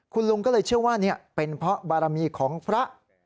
คุณลุงก็เลยเชื่อว่าเป็นเพราะบารมีของพระ